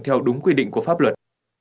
theo đúng quy định của pháp luật